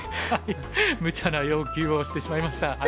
むちゃな要求をしてしまいました。